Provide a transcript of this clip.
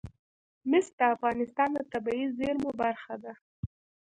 مس د افغانستان د طبیعي زیرمو برخه ده.